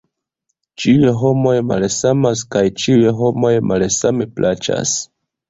Ĉiuj homoj malsamas, kaj ĉiuj homoj malsame plaĉas.